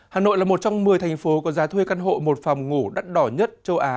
hà nội là một trong một mươi thành phố có giá thuê căn hộ một phòng ngủ đắt đỏ nhất châu á